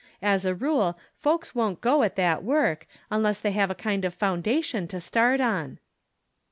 As a rule, folks won't go at that work, unless they have a kind of foundation to start on."